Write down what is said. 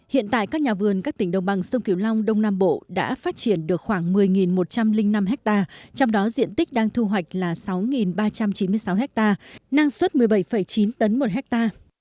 hiện tại các nhà vườn các tỉnh đồng bằng sông kiều long đông nam bộ đã phát triển được khoảng một mươi một trăm linh năm ha trong đó diện tích đang thu hoạch là sáu ba trăm chín mươi sáu ha năng suất một mươi bảy chín tấn một ha